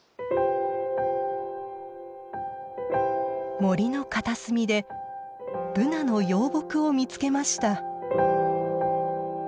森の片隅でブナの幼木を見つけました。